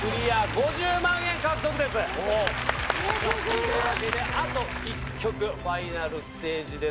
というわけであと１曲ファイナルステージです。